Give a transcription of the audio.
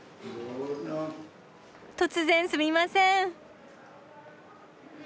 突然すみません。